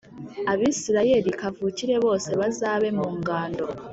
Abisirayeli kavukire bose bazabe mu ngando